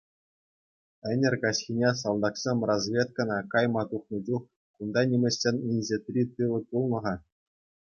Ӗнер каҫхине, салтаксем разведкӑна кайма тухнӑ чух, кунта нимӗҫсен инҫетри тылӗ пулнӑ-ха.